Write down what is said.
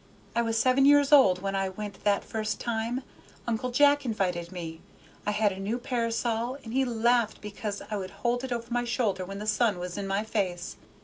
I was seven years old when I went that first time. Uncle Jack invited me. I had a new parasol, and he laughed because I would hold it over my shoulder when the sun was in my face.